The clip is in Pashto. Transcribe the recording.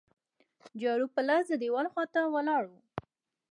جارو په لاس د دیوال خوا ته ولاړ وو.